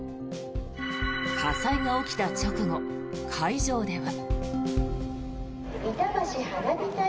火災が起きた直後、会場では。